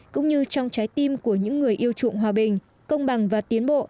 cũng như trong trái tim của những người yêu chuộng hòa bình công bằng và tiến bộ